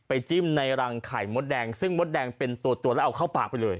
จิ้มในรังไข่มดแดงซึ่งมดแดงเป็นตัวแล้วเอาเข้าปากไปเลย